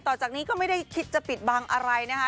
ต่อจากนี้ก็ไม่ได้คิดจะปิดบังอะไรนะคะ